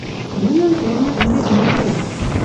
Нӹнӹн корны ӹнде иктӹ —